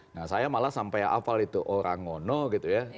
nah saya malah sampai hafal itu orang ngono gitu ya